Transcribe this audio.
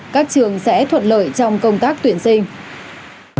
các trường sẽ thuận lợi trong công tác tuyển sinh